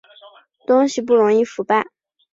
东西不容易腐败